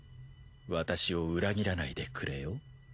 私を裏切らないでくれよ。